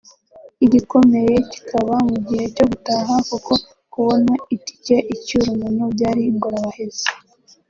igikomeye kikaba mu gihe cyo gutaha kuko kubona itike icyura umuntu byari ingorabahizi